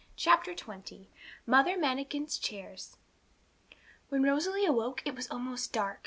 CHAPTER XX MOTHER MANIKIN'S CHAIRS When Rosalie awoke it was almost dark.